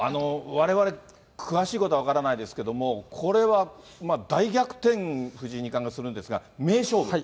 われわれ、詳しいことは分からないですけど、これは大逆転、藤井二冠がするんですが、名勝負。